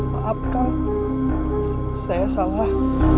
maaf kak saya salah